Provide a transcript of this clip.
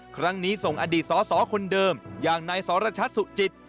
ครั้งนี้ส่งอดีตสสคนเดิมอย่างนายสรชัดสุจิต